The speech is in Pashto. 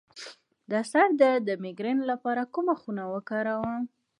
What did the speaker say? د سر درد د میګرین لپاره کومه خونه وکاروم؟